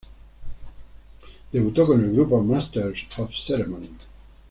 Debutó con el grupo Masters of Ceremony.